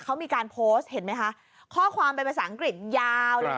เขามีการโพสต์เห็นไหมคะข้อความเป็นภาษาอังกฤษยาวเลย